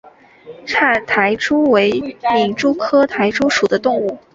叉苔蛛为皿蛛科苔蛛属的动物。